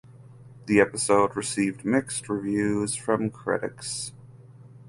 The episode received mixed reviews from critics.